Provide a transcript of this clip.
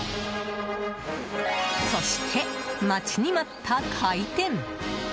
そして、待ちに待った開店。